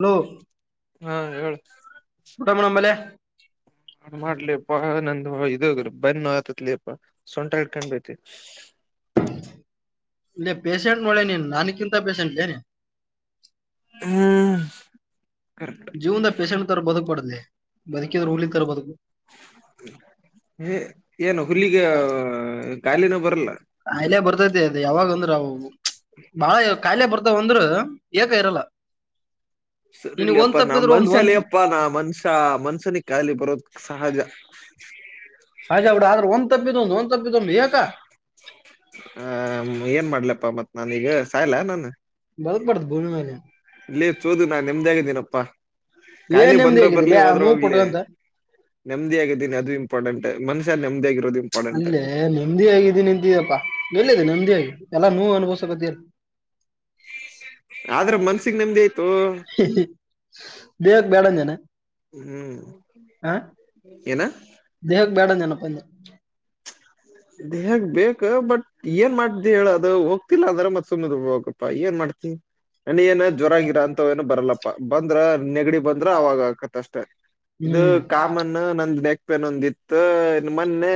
Hello ಹಾ ಹೇಳ ಊಟ ಮಾಡಂಬಲೆ [inaudible] ಏನ್ ಮಾಡ್ಲಪ್ಪಾ ನಂದು ಇದೋ ಬೆನ್ನ ನೋಯಲಾತತಿ ಲೇ ಪಾ. ಸೊಂಟ ಹಿಡ್ಕೊಂಡೈತಿ ಇಲ್ಲ ಪೇಷೆಂಟ್ ನೋಡೆ ನೀನ್ ನನ್ ಕ್ಕಿಂತ ಪೇಷೆಂಟ್ ಲೇ ನಿ. ಹ್ಮ್ ಕರೆಕ್ಟ್ ಜೀವನ್ದ ಪೇಷಂಟ್ ತರ ಬದುಕ್ ಬಡದ್ಲೆ ಬದುಕಿದ್ರ ಹುಲಿ ತರ ಬದುಕು. [unintelligible] ಇಲ್ಲೇ ಬರತೈತಿ ಅ ಯಾವಾಗ ಅಂದ್ರೆ ಅವು ಬಹಳ ಕಾಯಿಲೆ ಬರ್ತಾವ ಅಂದ್ರ ಏಕ ಇರಲ್ಲ. ಸರಿ ನಿನಗ್ ಒಂದ್ ಇಲಪ್ಪ ನಾ ತಪ್ಪಿದ್ರು ಒಂದ್ ಒಂದ್ ಮನುಷ್ಯಲೇಪ್ಪ ನಾ ಮನಷ್ಯ ಸಾ ಮನುಷ್ಯನಿಗೆ ಖಾಲಿ ಬರೋದ ಸಹಜಾ. ಸಜಾ ಬಿಡ ಆದ್ರೆ ಒಂದ ತಪ್ಪಿದ್ರೂ ಒಂದು ಒಂದ ತಪ್ಪಿದದೊಂದು ಎಕಾ. ಹ ಏನ ಮಾಡ್ಲಪ್ಪ ಮತ್ ನಾನೀಗ ಸಾಯ್ಲಾ ನಾನ ಬದುಕ್ಬಾರ್ದು ಭೂಮಿ ಮೇಲೆ ಇಲ್ಲಿ ಚುದು ನಾ ನೆಮ್ಮದ್ದೀಯಾಗಿನಪ್ಪಾ ಕಾಯಿಲೆ ಏನ್ ನೆಮ್ಮದಿ ಬಂದ್ರೆ ಆಗಿದಿಲ್ಲ ಬರ್ಲಿ ಆ ಹೋದ್ರ ನೋವು ಹೋಗ್ಲಿ. ಪಟ್ಕಂತ ನೆಮ್ಮದಿಯಗಿದ್ದಿನ ಅದು ಇಂಪ್ಟೆಂಟ್ ಮನಷ್ಯ ನೆಮ್ಮದಿ ಯಾಗಿರೋದು ಅಲ್ಲೇ ನೆಮ್ಮದಿಯಾಗಿದ್ದೀನಿ ಅಂತಿದಪ್ಪಾ ಎಲ್ಲಿದೆ ನೆಮ್ಮದಿ ಯಾಗಿ ಎಲ್ಲಾನೂ ನೋವ ಅನುಭವಸಕತಿಯಲ್ಲ. ಆದ್ರ ಮನಸ್ಸಿಗಿ ನೆಮ್ಮದಿ ಇತೊ. ಹ [inaudible] ಹ್ಮ್ ಏನ? ದೇಹಕ್ಕೆ ಬೇಡಾ [unintelligible] ನೆಪ. ದೇಹಕ ಬೇಕ ಬಟ್ ಏನ ಮಾಡತಿ ಹೇಳದು ಹೋಗ. ಗಿಲ್ಲ ಅಂದ್ರೆ ಮತ್ತ ಸುಮ್ಮನೆ ಇರಬೇಕು ಆಪ ಏನ ಮಾಡ್ತಿ ನ್ನನಗ ಏನ ಜ್ವರ ಗೀರ ಅಂತ ಅಂತ ಏನೂ ಬರಲ್ಲಪ್ಪ ಬಂದ್ರೆ ನೆಗಡಿ ಬಂದ್ ಬ್ರೋ ಅವಾಗ ಆಕತ ಅಷ್ಟೇ ಇದು ಹ್ಮ್ ಕಾಮನು ನಂದ್ ಬ್ ಪ್ಪೆನೊಂದಿತ್ತು ಇನ್ನ್ ಮೊನ್ನೆ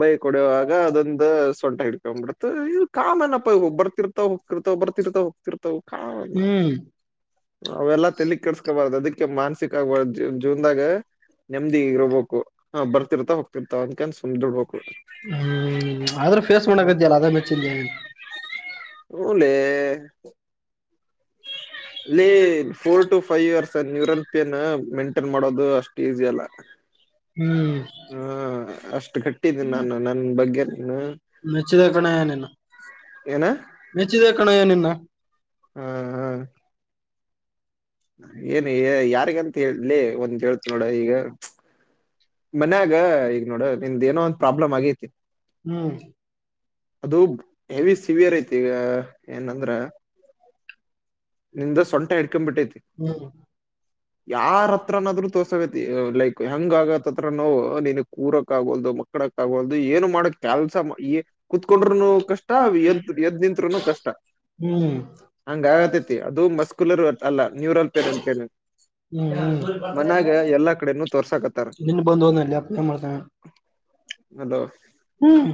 ಬೈಕ್ ಹೊಡಿಯುವಾಗ ಅದೊಂದ್ ದು ಸೊಂಟ ಹಿಡ್ಕೊಂಡ್ ಬಿಡತ್ತ್ ಇವು ಕಾಮನ್ ನಪ್ಪ ಇವು ಬರ್ತಿರ್ ತವ ಹೋಗತಿರ್ತವ ಬರ್ತಿರ್ತ್ ಹೋಗತ್ತಿರ್ವ ಕಾಮನ್ ಹ್ಮ್ ಅವೆಲ್ಲಾ ತಲಿ ಕೆಡಸ್ಕ್ ಕ್ ಬಾರದು ಅದಕ್ಕೆ ಮಾನಸಿಕ ಆಗಬ ಜೀವನ್ದಾಗ ನೆಮ್ಮದಿ ಇರಬೋಕು. ಹಾ ಬರ್ತಿರ್ತಾ ಹೋಗತಿರ್ತಾ ಅದಕ ಅಂದ್ ಸುಮ್ಮ ಇದ್ದ್ ಬೇಕು. ಹ್ಮ್ ಆದ್ರೂ ಫೇಸ್ ಮಾಡಕತ್ತೀಯ ಅಲ್ಲ ಅದೇ ಮೆಚ್ಚಿದ್ ಹು ಲೇ ಲೇ ಪೋರ್ ಟು ಫೈವ್ ಇಯರ್ಸ್ ಯೂರೋನ್ ಪೆಯನ್ ಮೈಂಟೆನ್ ಮಾಡೋದು ಅಷ್ಟು ಈಸಿ ಅಲ್ಲ. ಹ್ಮ್ ಹಾ ಅಷ್ಟು ಗಟ್ಟಿದ್ದೆ ನಾನು ನನ್ನ ಬಗ್ಗೆನು. ಮೆಚ್ಚಿದೆ ಕಣಯ್ಯ ನಿನ್ನ ಏನ್ನ ಮೆಚ್ಚಿದೆ ಕಣಯ್ಯ ನಿನ್ನ. ಹ ಹ ಏನು ಯಾರಿಗಂತ ಹೇಳಲಿ ಒಂದ್ ಹೇಳ್ತೀನಿ ನೋಡೊ ಈಗ ಮನ್ಯಾಗ ಈಗ ನೋಡ ನಿನ್ದು ಏನೋ ಒಂದ್ ಪ್ರಾಬ್ಲಮ್ ಆಗೈತಿ. ಹ್ಮ್ ಅದು ಹೆವಿ ಸಿವಿಯರ್ ಐತಿ ಈಗ ಏನಂದ್ರೆ ನಿಂದು ಸೊಂಟ ಇಡ್ಕೊ ಬಿಟೈತಿ. ಹ್ಮ್ ಯಾರ ಹತ್ತಿರನಾದ್ರೂ ತೊರಸೈತಿ ಲೈಕ್ ಹೆಂಗ್ ಆಗಕೈತಿ ನೋವು ನೀನ್ ಕೂರಕ್ ಆಗೋಲ್ದು ಮಕ್ಕಳಕ್ ಆಗೋಲ್ದು ಅದು ಏನು ಮಾಡಕ್ ಕೆಲ್ಸ ಮ ಏ ಕೂತ್ಕೊಂಡ್ರುನು ಕಷ್ಟ ಎದ್ ಎದ್ದ್ ನಿಂತ್ರೂನು ಕಷ್ಟ. ಹ್ಮ್ ಹ್ಮ್ ಹಂಗ ಆಗತೇತಿ ಅದು ಮಸ್ಕೂಲರ್ ಅಲ್ಲ ನ್ಯೂರಲ್ ಪೇನ್ ಅತ್ ಹ್ಮ್ ಮನಾಗ ಎಲ್ಲಾ ಕಡೆನೂ ತೋರ್ಸಾಕತ್ತಾರ. ನಿನ್ ಬಂದು ಹೋದ್ನಲ್ಲಿ ಅಪ್ಪ ಏನ್ ಮಾಡ್ತಾನೆ ಹಲೋ ಹ್ಮ್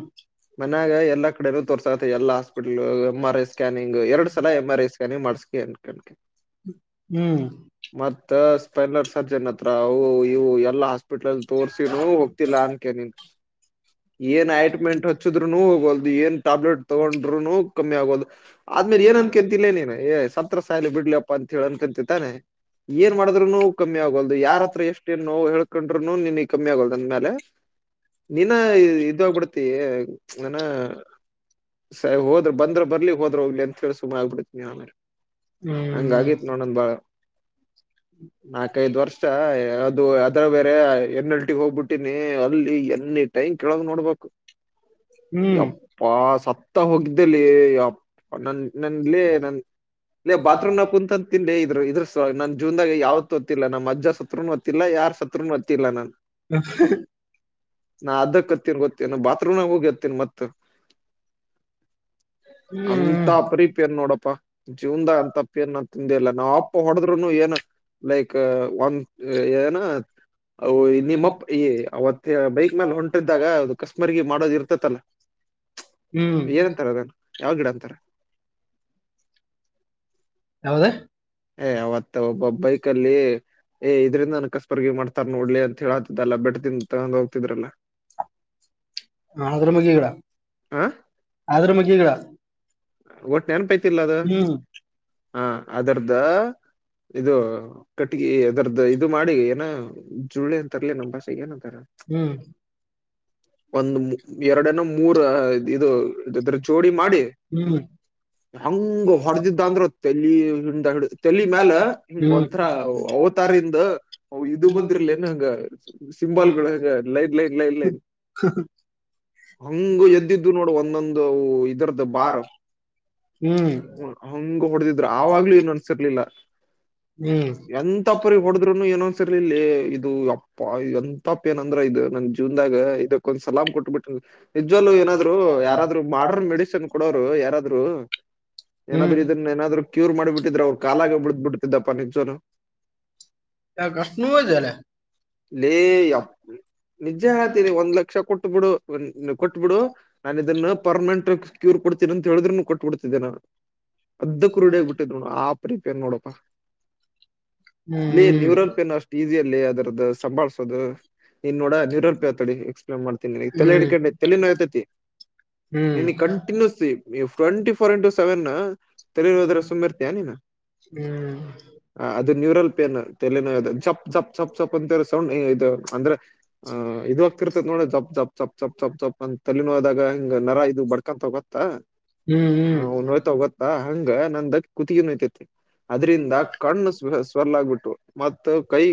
ಮನ್ಯಾಗ ಎಲ್ಲಾ ಕಡೆನೂ ತೋರ್ಸಾತ್ತ ಎಲ್ಲಾ ಹಾಸ್ಪಿಟಲ್ ಎಮ್ ಆರ್ ಐ ಸ್ಕ್ ಸ್ಕಾನಿಂಗ್ ಎರಡು ಸಲ ಎಮ್ ಆರ್ ಐ ಸ್ಕಾನಿಂಗ್ ಮಾಡ್ಸ್ಕೆ ಅನ್ ಕೆ ಹ್ಮ್ ಮತ್ತ ಸ್ಪೈನರ್ ಸರ್ಜನ್ ಹತ್ರ ಅವು ಇವು ಎಲ್ಲಾ ಹಾಸ್ಪಿಟಲ್ ಅಲ್ಲಿ ತೋರ್ಸಿನೂ ಹೋಗ್ತಿಲ್ಲಾ ಅನ್ಕೆ [unintelligible] ಏನ್ ಅಟ್ಮೆಂಟ್ ಹಚ್ಚಿದ್ರುನೂ ಹೋಗಲ್ದು ಏನ್ ಟ್ಯಾಬ್ಲೆಟ್ ತಗೊಂಡ್ರುನು ಕಮ್ಮಿ ಆಗಲ್ದು. ಆದ್ಮೇಲೆ ಏನ್ ಅನ್ಕೊಂತಿಲ್ಲೇ ನೀನ್ ಏ ಸತ್ರೆ ಸಾಯಿಲಿ ಬಿಡ್ಲೆ ಅಪ್ಪ ಅಂತ ಹೇಳಿ ಅನ್ಕೊಂತಿ ತಾನೆ. ಏನ್ ಮಾಡಿದ್ರುನು ಕಮ್ಮಿ ಆಗಲ್ದು ಯಾರ ಹತ್ತಿರ ಎಷ್ಟೇ ನೋವು ಹೇಳ್ ಇಕೊಂಡ್ರು ನಿನ್ಗೆ ಕಮ್ಮಿ ಆಗಲ್ದು ಅಂದ ಮೇಲೆ ನೀನ ಇದೊ ಹೊಗ್ಬಿಡ್ತಿ ತ್ತಿ ಚ್ ಏನಾ ಸರ್ ಹೋದ್ರೆ ಬಂದ್ರೆ ಬರ್ಲಿ ಹೋದ್ರೆ ಹೋಗಲಿ ಅಂತೇಳಿ ಸುಮ್ಮನೆ ಆಗ್ಬಿಡ್ತತ್ತಿನಿ ಆಮೇಲೆ ಹಂಗ್ ಹ್ಮ್ ಆಗೈತೆ ನೋಡ್ ನನ್ನ ಬಾಳ್ ನಾಕೈದ್ ವರ್ಷ ಅದು ಅದರಲ್ಲಿ ಬೇರೆ ಎಮ್ ಎಲ್ ಟಿ ಗೆ ಹೋಗ್ಬಿಟ್ಟೀನಿ ಅಲ್ಲಿ ಏನ್ನಿ ಟೈಮ್ ಕೆೇಳಗ ನೋಡ್ಬೇಕು. ಹ್ಮ್ ಯಪ್ಪ ಸತ್ತ ಹೋಗ್ದೆ ಲೇ ಯಪ್ಪ ನನ್ ನನ್ ಲೇ ನನ್ ಲೇ ಬಾತ್ರೂಮ್ ನ ಕುಂತ್ ಅತ್ತೀನಿ ಲೇ ಇದರು ಇದ್ರ ಸ ನನ್ನ ಜೀವನದಾಗ ಯಾವತ್ತು ಆತ್ತಿಲ್ಲ ನಮ್ ಅಜ್ಜ ಸತ್ರುನೂ ಆತ್ ತ್ತಿಲ್ಲ ಯಾರ್ ಸತ್ರುನು ಅತ್ತಿಲ್ಲ ನಾನ್ ನಾ ಅದಕ್ ಅತ್ತಿರಬಹುದ್ ತ್ತೆನೊ ಬಾತ್ರೂಮ್ನಾಗ್ ಹೋಗಿ ಅತ್ತಿನಿ ಮತ್ತೆ. ಅಂತ ಹ್ಮ್ ಪರಿ ಪೇರ್ ನೋಡಪ್ಪ. ಜೀವನದ ಅಂತಪ್ಪ ಏನ್ ನ ತಿಂದಲ್ಲ ನಾವ್ ಅಪ್ಪ ಹೊಡದ್ರುನು ಏನ್ ಲೈಕ್ ಒಂದ ಏನ ನಿಮ್ಮಪ್ಪ ಈ ಅವತ್ತ ಬೈಕ್ ಮೇಲೆ ಹೊಂಟ ತಿದ್ದಾಗ ಅದು ಕಸಬರಗಿ ಮಾಡೋದು ಇರ್ತತಲ್ಲ ಹ್ಮ್ ಏನಂತಾರೆ ಅದನ್ನು ಯಾವ ಗಿಡ ಅಂತಾರೆ ಯಾವ್ದ ಏ ಅವತ್ತ ಒಬ್ಬ ಬೈಕ್ ಏ ಇದ್ರಿಂದ ನನ್ ಕಸ್ಬರ್ಗಿ ಮಾಡ್ತಾರ ನೋಡ್ಲಿ ಅಂತ ಹೇಳಾತಿದ್ದಲ್ಲಾ ಬೆಟ್ಟ ಇಂದ ತಗೊಂಡು ಹೋಗ್ತಿದ್ರಲ್ಲ ಅದ್ರ ಮಗಿಗಿಡ ಹ ಆದ್ರ ಮಗಿ ಗಡ ಒಟ್ಟ ನೆನಪೈತಿಲ್ಲ ಅದು ಹ್ಮ್ ಹಾ ಆದ್ರೂ ಇದು ಕಟ್ಟಗಿ ಅದರದ್ದ ಇದು ಮಾಡಿ ಏನ ಜುಳೆ ಅಂತರ್ಲಿ ನಮ್ಮ್ ಭಾಷೆೆಗೆ ಏನಂತಾರ ಹ್ಮ್ ಒಂದು ಎರಡನ ಮೂರ ಇದು ಇದ್ರ ಚೋಡಿ ಮಾಡಿ ಹ್ಮ್ ಹಂಗ ಹೊಡೆದಿದ್ದ ಅಂದ್ರರು ತೆಲಿ ಹಿಂಡ್ದ ಹಿಡ ತೆಲಿ ಮೇಾಲ ಹಿಂಗ ಹ್ಮ್ ಹ್ಮ್ ಒಂಥರ ಅವತಾರಿಂದ ಹ ಇದು ಬಂದಿರ್ಲನ ಹಂಗ ಸಿಂಬಾಲ್ ಗಳು ಲೈಟ್ ಲೈಟ್ ಲೈಡ್ ಲೈಟ್ ಹಾ ಹಾ ಹಂಗ ಎದ್ದಿದ್ದು ನೋಡು ಒಂದೊಂದು ಇದರದ್ದ ಬಾರ ಹಂಗ ಹೊಡೆದಿದ್ರು ಆವಾಗ್ಲೂ ಏನ್ ಅನ್ಸಿರ್ಲಿಲ್ಲ ಹ್ಮ್ ಎಂತ ಪರಿ ಕೊಡ ಇದ್ರುನು ಏನೊಂದ್ಸರಿ ಇಲ್ಲಿ ಇದು ಅಪ್ಪ ಎಂತಪ್ಪ ಏನಂದ್ರ ಇದು ನನ್ ಜೀವನ್ದಾಗ ಇದ ಒಂದ್ ಸಲಾಮ್ ಕೊಟ್ಬಿಟ ನಿಜ್ವಲ್ಲಲು ಏನಾದ್ರು ಯಾರಾದರೂ ಮಾಡರ್ನ್ ಮೆಡಿಸನ್ ಯಾರಾದ್ರರು ಏನಾದ್ರು ಹ್ಮ್ ಇದನ್ನ ಏನಾದ್ರು ಕ್ಯೂರ್ ಮಾಡಿಬಿದ್ರ ಅವರು ಕಾಲಾಗ ಬಿದ್ ಬಿಡ್ಟದ್ದಪ್ಪ [inaudible] ಯ ಕಷ್ಟನುತಲ್ಲ [inaudible] ಲೇ ಯ ನಿಜ ಹೇಳ್ತೀನಿ ಒಂದ್ ಲಕ್ಷ ಕೊಟ್ಟ ಬಿಡು ಕೊಟ್ಬಿಡು ನಾನ ಇದನ್ನ ಪರ್ಮನೆಂಟ್ ಕ್ಯೂರ್ ಕೊಡ್ತೀರ ಅಂತ ಹೇಳಿದ್ರರುನು ಕಟ್ಟಬಿಡ್ತಿದ್ದೇ ನ ಅದಕ್ಕ ಕ ರೀಡಿಯಗ್ ಬಿಟ್ಟಿದ್ ಆ ಪ್ರಿಪೇರ್ ನೋಡಪ್ಪ ಹ್ಮ್ ನೀ ಹ್ಮ್ ನೀವರಲ್ ಪೇನ್ ಅಷ್ಟ [unintelligible] ಟಜಿಯಲ್ಲಿ ಅದರದ್ದು ಸಂಬಾಳ್ಸೋದು ನೀನ್ ನೋಡ ನಿರೋಪಿಯತಡಿ ಎಕ್ಸ್ಪ್ಲೇನ್ ಮಾಡ್ತೀನಗೆ ಹ್ಮ್ ತಲೆ ಹಿಕೊಂಡಿ ತಲನೋಯತೈತಿ ಹ್ಮ್ ನೀ ಟ್ವೆಂಟಿ ಫೋರ್ ಇಂಟು ಸೆವೆನ್ ತಳರೋದ್ರ ಸುಮ್ಮಿ ಇರ್ತಯ ನೀನ ಹ್ಮ್ ಹ ಅದು ನ್ಯೂರಲ್ ಪೇನ್ ತಲನೋ ಜಪ್ ಜಪ್ ಜಪ್ ಜಪ್ ಅಂತ ಸೌಂಡ್ ಇದು ಅಂದ್ರೆ ಆ ಇದು ಆಾಗ್ತಿರ್ತತ್ ನೋಡ ಜಪ್ ಜಪ್ ಜಪ್ ಜಪ್ ಜಪ್ ಜಪ್ ಅಂತ ತಲನೋದಾಗ ನರ ಇದು ಬಡ್ಕಂತ ಹೋಗತ್ತ ಹ್ಮ್ ಹ್ಮ್ ನೋಯ್ತಾ ಹೋಗತ್ತಾ ಹಂಗ ನಂದ ಕತ ನೋಯ್ತೈತಿ ಅದ್ರಿಂದ ಕಣ್ಣು ಸ್ ಸ್ವರ್ಲಾಗಬಿಟ್ಟು ಮ ಕೈ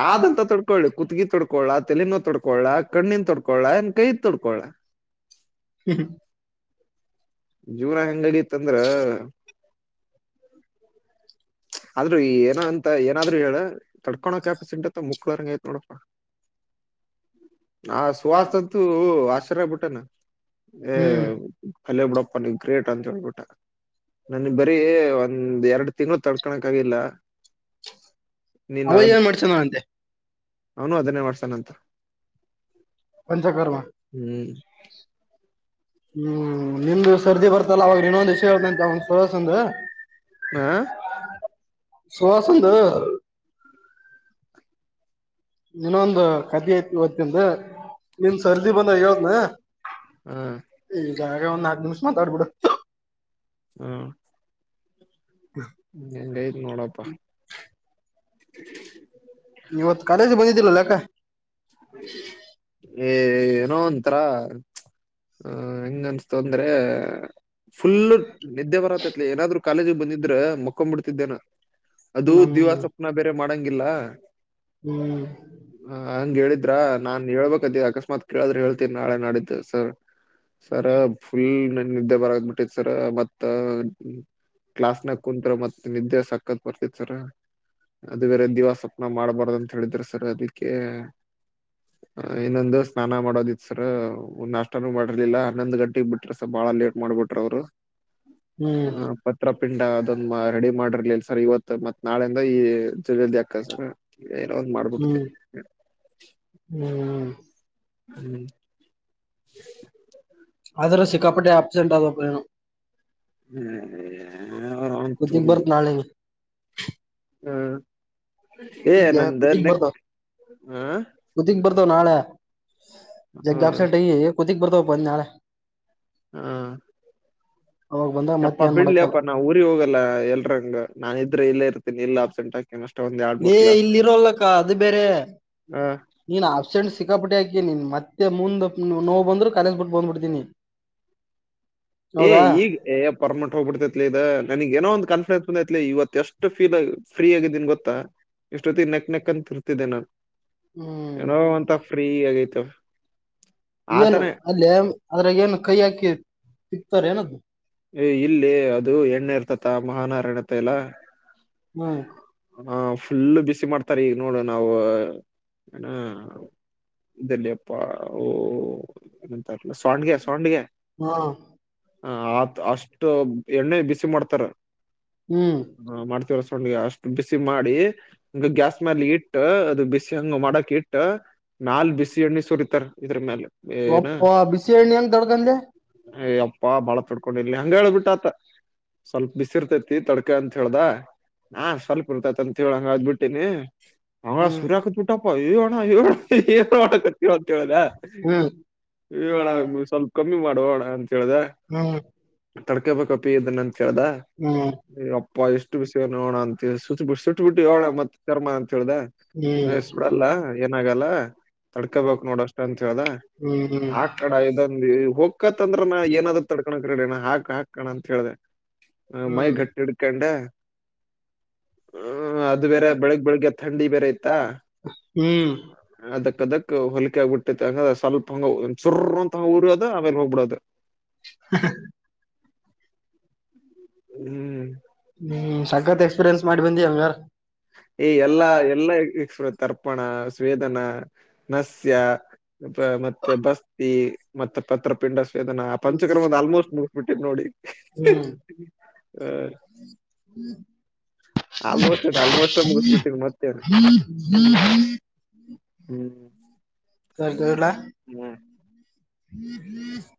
ಯಾವ್ದಂತ ತೊಡ್ ತೊಕೊಳ್ಳಿ ಕುತ್ಗಿ ತೊಡ್ಕೊಳ್ಳಳ ತಲನ ತೊಕೊಳ್ಳಳ ಕಣ್ಣಿನನ್ ತೊಕಳ ಇನ್ ಕೈದ ತೊಡ್ಕೊಳ ಹ್ಮ ಜೀವರ ಹೆಂಗ ಅಡಿಯತ್ತಂದ್ರ ಆದ್ರೂ ಏನೋ ಅಂತ ಏನಾದ್ರು ಹೇಳ ತಡ್ಕೊಳೋ ಕ್ಯಾಪಾಸಿಂಟ್ ಅ ಮುಕ್ಳರಂಗ ಆಯ್ತ್ ನೋಡಪ್ಪಾ ಆ ಸುಹಾಸ ಅಂತೂ ಆಶ್ಚರ್ಯ ಬಿಟ್ಟನಾ ಹ್ಮ್ ಅಲ್ಲ ಬಿಡಪ್ಪ ನೀ ಗ್ರೇಟ್ ಅಂತ ಹೇಳ್ಬಿಟ್ಟ ನನಗ್ ಬರೀ ಒಂದ್ ಎರಡು ತಿಂಗಳು ತರ್ ಕಕಣಕ್ಕ ಆಗಿಲ್ಲ ನೀನ್ ಅವ ಏನ್ ಮಾಡ್ಸನ ಅಂತೆ ಅವನು ಹದನೇ ಮಾಡ್ಸಟೇನ್ ಅಂಥ ಪಂಚಕರ್ಮ ಹ್ಮ್ ಹ್ಮ್ ನಿಮ್ದು ಸರ್ದಿ ಬರ್ತಲ್ಲ ಅವವಾಗ ಇನ್ನೊಂದ ವಿಷ ಹೇಳ್ತಂತ ಒಂದ್ ಸಸಂದ ಹಾ ಸುಹಾಸಂದ ನೀನೊಂದು ಕದಿ ಐ ಓದ್ತಂದು ನಿಮ್ ಸರ್ದಿ ಬಂದ ವತ್್ನಾ ಹಾ ಈಗಾಗ ಒಂದ್ ನಕ ನಿಮಿಷ್ ಮಾತಾಡ್ಬಿಡು ಹ್ಮ ಹ್ಮ ಎ ಐತ್ ನೋಡಪ್ಪಾ ಇವತ್ ಕಾಲೇಜ್ ಬಂದಿದ್ದಿಲ್ಲಲ್ಲಾಕ್ಕ ಏ ಏನೋ ಒಂತರ ಆ ಹೆಂಗ ಅನ್ಸ್ತು ಅಂದ್ರೆ ಫುಲ್ಲ ನಿದ್ದೆ ಬರತ್ತ ಏನಾದ್ರು ಕಾಲೇಜಿಗೆ ಬಂದಿದ್ರೆ ಮಕ್ಕೊಂಡ್ ಬಿಿಡ್ತಿದ್ದೇನ ಅದು ಹ್ಮ್ ದಿವಾಸ ಬೇರೆ ಮಾಡಂಗಿಲ್ಲ ಹ್ಮ್ ಹ ಹಂಗಗೆ ಹೇಳಿದ್ರಾ ನಾನ್ ಹೇಳ್ಬೇಕಕ್ಾದ ಅಕಸ್ಮಾತ್ ಕೇಳಿದ್ರೆ ಹೇಳ್ತೀನಿ ನಾಳೆ ನಾಿದ್ದ ಸರ್ ಸರ ಫುಲ್ ನನ್ ನಿದ್ದೆ ಬರದಬಿಟ್ಟೈತ್ ಸರ ಮತ್ತ ಕ್ಲಾಸ್ ನ ಕುಂತ್ರ ಮತ್ತತ್ ನಿದ್ದೆ ಸಕ್ಕತ್ ಬರ್ತತ್ ಸರ ಅದು ಬೇರೆ ದಿವಾಸಪ್ನ ಮಾಡ್ಬಾರ್ದ ಅಂತ ಹೇಳಿದ್ರೆ ಸರ್ ಅದಕ್ಕೆ ಇನ್ನೊಂದು ಸ್ನಾನ ಮಾಡೋದಿತ್ ಸರ್ ಒಂದಷ್ಟ ಮಾಡರ್ಲಿಲ್ಲ ಹನ್ನೊಂದು ಗಂಟೆಗೆಗ್ ಬಿಟ್ರಿ ಸರ್ ಬಾಳ ಲೇಟ್ ಮಾಡ್ಬಿಟ್ರ ಅವ್ರು ಹ್ಮ್ ಟಪಿಂಡ ಅದೊಂದು ರೆಡಿ ಮಾಡಿರ್ಲಿಲ್ಲ ಸರ್ ಇವತ್ ಮತ್ ನಾಳೆಯಿಂದ ಈ ಜಿಲ್ಲಲ್ಾಕ ಸರ್ ಏನ ಮಾಡ್ಬಿಟ್ಟುತ್ತೆ ಹ್ಮ್ ಹ್ಮ್ ಹ್ಮ್ ಆದದ್ರೆ ಸಿಕ್ಕಾಪಟ್ಟೆ ಅಬ್ಸೆಂಟ್ ಆದಪ್ಪೇನು ಹ್ಮ ಅವಂತ ನಳೆ ಹ್ಮ ಏ ಕುದಿಗ್ ನಂದು ನೆಕ್ಟ್ ಹಾ ಕುುದಕ್ ಬರ್ತ ನಾಳೆ ಹ ಜಗ್ಗ ಆಪ್ಸೈ ಕುುದಕ್ ಬರ್ತ ಪ ನಾಳೆ ಹಾ ಅವಾಗ ಬಂದಾಗ ಮತ್ ಎಪ್ಪ ಏನ್ ಬಿಡ್ಲಿ ಮಾಡಕಲ್ಲ ಪರ್ ನಾ ಊರಿಗೆ ಹೋಗಲ್ಲ ಎಲ್ರಂಗ ನಾನ ಇದ್ರೆ ಇಲ್ಲೇ ಇರ್ತಿನಿ ಇಲ್ಲ ಅಬ್ಸೆಂಟ್ ಆಗ ಇಲ್ಲಿ ಇರೋಲ್ಲಕ್ಕ ಅದು ಬೇರೆ ಹ ನೀನ್ ಆಬ್ಸೆಂಟ್ಸ್ ಸಿಕ್ಕಾಪಟ್ಟಿ ಹಾಕಿನಿನ್ ಮತ್ತೆ ಮುಂದ್ ನೋವು ಬಂದ್ರರು ಕಾಲೇಸ್ ಬಿಟ್ಟು ಬಂದ್ಬಿಡ್ತೀನಿ ಏ ಹೌದಾ ಈಗ ಏ ಪರ್ಮೆಂಟ್ ಹೋಗ್ಬಿಡ್ೈತ್ಲಿೀ ಇದ ನನ್ಗ್ ಏನೋ ಒಂದು ಕಾನ್ಫಿಡೆನ್ಸ್ ಬಂದೈತ್ಲಿ ಇವ ಎಷ್ಟು ಫೀಲ್ ಫ್ರೀ ಆಗಿದ್ದೀನ್ ಗೊಾ ಎಷ್ಟೊತ್ತತಿ ನಕ್ ನೆಕ್ ಅಂತ ಇರ್ತಿದ್ದೆ ನಾನು ಹ್ಮ್ ಏನೋ ಅಂತ ಫ್ರೀ ಆಗೈತವ ಏನು ಅಲ್ಲಿ ಅದ್ರ ಏನು ಕೈ ಹಾಕಿ ಸಿಕ್ತಾರ ಏನದು ಇಲ್ಲಿ ಅದು ಎಣ್ಣೆ ಇರ್ತತ ಮಹನಾರ ಎಣತೆ ಎಲ್ಲಾ ಹ್ಮ್ ಹಾ ಫುಲ್ಲು ಬಿಸಿ ಮಾಡ್ತಾರ ಈಗ ನೋಡು ನಾವವು ಏಣ ಲ್ಲಿಿಯಪ್ಪ ಓ ಎಏಂತಲ್ಲ ಸಂಡಗೆ ಸಂಡಗೆ ಹಾ ಹ ಆತ್ ಅಷ್ಟು ಎಣ್ಣೆ ಬಿಸಿ ಮಾಡ್ತಾರ ಹ್ಮ್ ಮಾಡ್ತವ ೊಂಡ ಅಷ್ಟು ಬಿಸಿ ಮಾಡಿ ಹ ಗ್ಯಾಸ್ ಮೇಲೆ ಇಟ್ಟ ಅದು ಬಿಸಿ ಹಂಗ ಮಾಡಕ್ ಇಟ್ಟ ನಾಲ್ ಬಿಸಿ ಎಣ್ಣೆ ಸುರಿತಾರ ಇದ್ರ ಮೇಲೆ ಒಪ್ಪ ಬಿಸಿಹಣ್ಣಿ ಹೆಂಗ ದೊಡ್ಗಂದೆ ಅಯ ಅಪ್ಪ ಬಾಳ ತೊಡ್ಕೊಂಡಿರ್ಲಿ ಹಂಗ ಹೇಳೇಳ್ಬಿಟ್ಟತು ಸ್ವಲ್ಪ ದಿಸಿಇರ್ತಿತಿ ತಡ್ಕ ಅಂತ ಹೇಳ್ದ. ನಾ ಸ್ವಲ್ಪ ಇರ್ತೈತ್ ಅಂತೇಳ್ ಅದ್ ಬಿಟ್ಟೀನಿ. ಅವ ಹ್ಮ್ ಸುರಾಕತ್ ಬಿಟ್ಟಪ್ಪ ಇಯೋಣ ಇಯ್ಯೋಣ ಏಣ ಕತೀ ಅಂತ ಹೇಳ್ದ. ಹ್ಮ್ ಎ ಅಣ್ಣ ಸ್ವಲ್ಪ ಕಮ್ಮಿ ಮಾಡೂ ಅಣ ಅಂತ ಹೇಳ್ದ. ಹ್ಮ್ ತಡ್ಕೊಬೇಕಪಿ ಇದನ್ನ ಅಂತ್ ಹೇಳ್ದ. ಹ್ಮ್ ಎ ಎಪ್ಪಾ ಎಷ್ಟು ಬಿಸಿ ನೋಡ ಅಂತ [unintelligible] ಇಟ್ಬಿಟ್ಟು ಹಳ ಮತ್ತ ಕರ್ಮ ಅಂತ ಹೇಳ್ದ ಆಯಸ್ ಬಿಡಲ್ಲ ಹ್ಮ್ ಏನಾಗಲ್ಲ. ತಡ್ಕೋಬೇಕು ನೋಡ್ ಅಷ್ಟ ಅಂತ ಹೇಳ್ದ. ಆ ಕಡ ಹ್ಮ್ ಇದಂದು ಹೊಕ್ಕತ್ಂದ್ರ ನಾ ಏನಾದ ತಡ - ಹಾಕಣ ಕಡಣ ಹಾಕ್ ಹಾಕಣ ಅಂತ ಹೇಳ್ದ ಮೈ ಗಟ್ಟಿ ಹಿಡ್ಕೊಂಡ ಹ ಅದು ಬೇರೆ ಬೆಳಗ್ ಬೆಳಗ್ಗೆ ಥಂಡಿ ಬೇರೆ ಇತ್ತಾ. ಹ್ಮ್ ಅದಕ್ ಅದಕ್ ಹೊಲಿಕೆ ಆಗ್ಬಿಟ್ಟತೆ ಹಂಗ ಸ್ವಲ್ಪ ಹಂಗ ಚುರ್ ಅಂತ ಉರ್ಯೊದು ಆಮೇಲೆ ಹೋಗ್ಬಿಡೋದು. ಹ್ಮ್ ಹ್ಮ್ ಸಕತ್ ಎಕ್ಸ್ಪೀರಿಯನ್ಸ್ ಮಾಡಿ ಬಂದಿಯಲ್ಲಾ. ಈ ಎಲ್ಲಾ ಎಲ್ಲಾ ತರ್ಪಣ ಸ್ವೇದನಾ ನಸ್ ತ್ಯ ಮತ್ತೆ ಬಸ್ತಿ ಮತ್ ಪತ್ರಪಿಂಡ ಸ್ವೇದನಾ ಆ ಪಂಚಕ್ರಮದ ಆಲ್ಮೋಸ್ಟ್ ಮುಗಿಸ್ಬಿಟ್ಟವ್ ನೋಡಿ ಹ್ಮ್ ಹ ಆಲ್ಮೋಸ್ಟ್ ಆಲ್ಮೋಸ್ಟ್ ಮುಗಿಸ್ಬಿಟ್ಟಿನಿ ಮತ್ತೇನು [unintelligible] ಹ್ಮ್ ಸರಿ ಇಡ್ಲಾ. ಹ್ಮ್ [unintelligible]